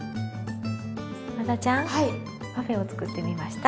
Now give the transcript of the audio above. ワダちゃんパフェを作ってみました。